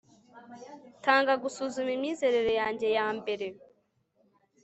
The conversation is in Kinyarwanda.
tanga gusuzuma imyizerere yanjye yambere